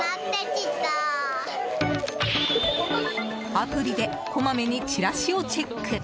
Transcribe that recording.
アプリでこまめにチラシをチェック。